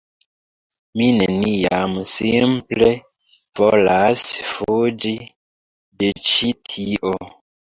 Mi neniam simple volas fuĝi de ĉi tio